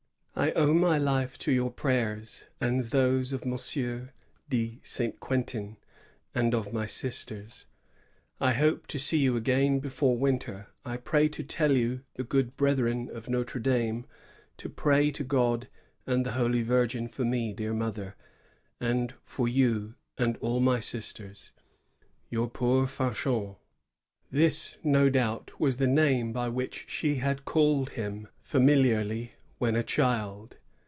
I owe my life to your prayers, and those of M. de Saint Quentin, and of my sisters. I hope to see you again before winter. I pray you to tell the good brethren of Notre Dame to pray to God and the Holy Virgin for me, my dear mother, and for you and all my sisters. Your poor Fanghon. This, no doubt, was the name by which she had called him familiarly when a child.